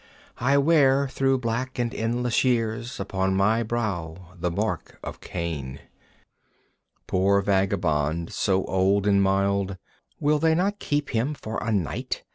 I wear through black and endless years Upon my brow the mark of Cain. III Poor vagabond, so old and mild, Will they not keep him for a night?